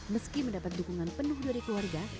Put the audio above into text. meski mendapat dukungan penuh dari keluarga